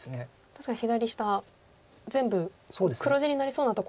確かに左下全部黒地になりそうなところが。